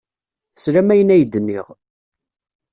Teslam ayen ay d-nniɣ.